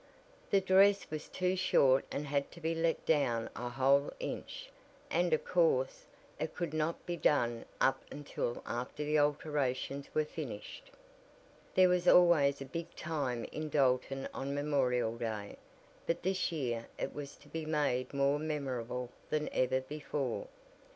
The dress was too short and had to be let down a whole inch, and of course, it could not be done up until after the alterations were finished. There was always a big time in Dalton on Memorial Day, but this year it was to be made more memorable than ever before.